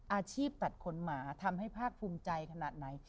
อาชีพตัดขนหมาทำให้ภาคภูมิใจขนาดไหน